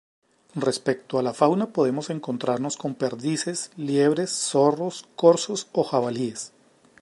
Respecto a la fauna podemos encontrarnos con perdices, liebres, zorros, corzos o jabalíes.